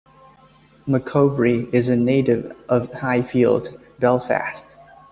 McCoubrey is a native of Highfield, Belfast.